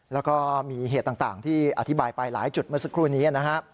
แล้วก็มีเหตุต่างที่อธิบายไปหลายจุดเมื่อสักครู่นี้นะฮะ